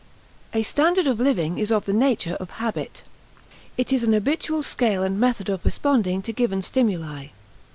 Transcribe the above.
A standard of living is of the nature of habit. It is an habitual scale and method of responding to given stimuli.